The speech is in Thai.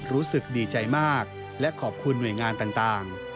รู้สึกดีใจมากและขอบคุณหน่วยงานต่าง